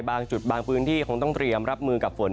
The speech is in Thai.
บางจุดบางพื้นที่คงต้องเตรียมรับมือกับฝน